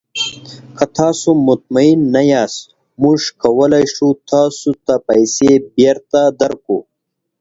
که تاسو مطمین نه یاست، موږ کولی شو تاسو ته پیسې بیرته درکړو.